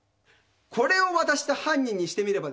これを渡した犯人にしてみればですね